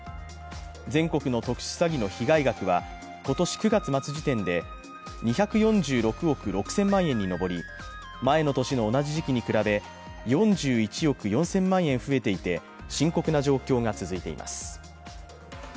全国の特殊詐欺の被害額は今年９月末時点で２４６億６０００万円にのぼり前の年の同じ時期に比べ４１億４０００万円増えていて深刻な状況が続いています。